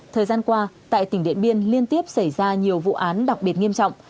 thời gian qua tại tỉnh điện biên liên tiếp xảy ra nhiều vụ án đặc biệt nghiêm trọng